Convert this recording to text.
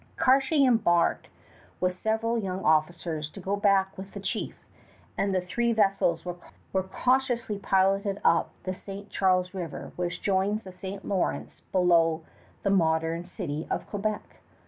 Cartier embarked with several young officers to go back with the chief; and the three vessels were cautiously piloted up little St. Charles River, which joins the St. Lawrence below the modern city of Quebec.